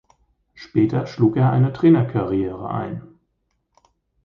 Später schlug er eine Trainer-Karriere ein.